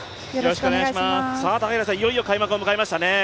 高平さん、いよいよ開幕を迎えましたね。